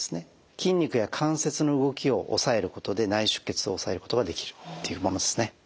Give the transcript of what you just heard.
筋肉や関節の動きをおさえることで内出血をおさえることができるっていうものですね。